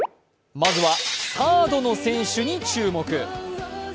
まずはサードの選手に注目。